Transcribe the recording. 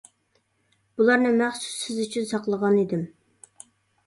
-بۇلارنى مەخسۇس سىز ئۈچۈن ساقلىغان ئىدىم.